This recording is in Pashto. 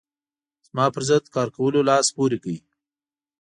زما پر ضد کار کولو لاس پورې کړ.